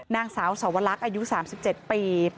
นางสาวสวรรคอายุ๓๗ปี